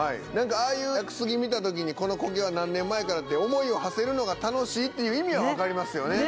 ああいう屋久杉見た時にこのコケは何年前から？って思いをはせるのが楽しいっていう意味は分かりますよね？